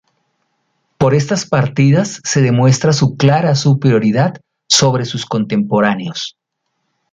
Por estas partidas se demuestra su clara superioridad sobre sus contemporáneos.